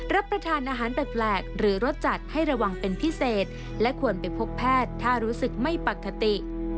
รับประทานอาหารแปลกหรือรสจัดให้ระวังเป็นพิเศษและควรไปพบแพทย์ถ้ารู้สึกไม่ปกติ